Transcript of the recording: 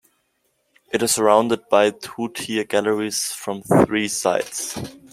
It is surrounded by two-tier galleries from three sides.